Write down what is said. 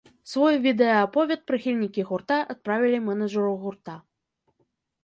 Свой відэааповед прыхільнікі гурта адправілі мэнэджару гурта.